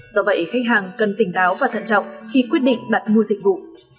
do vậy khách hàng cần tỉnh táo và thận trọng khi quyết định đặt mua dịch vụ